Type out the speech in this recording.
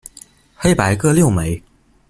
黑白各六枚。